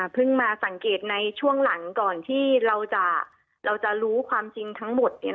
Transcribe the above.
มาสังเกตในช่วงหลังก่อนที่เราจะรู้ความจริงทั้งหมดเนี่ย